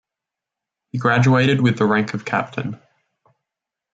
He graduated with the rank of captain.